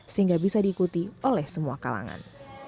sehingga bisa diikuti oleh semua kalangan